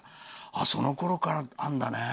そのころからあるんだね。